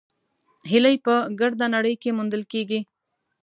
هیلۍ په ګرده نړۍ کې موندل کېږي